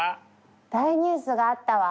大ニュースがあったわ！